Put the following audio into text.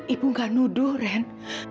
ibu nggak nuduh ren